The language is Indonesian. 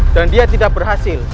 dan dia tidak berhasil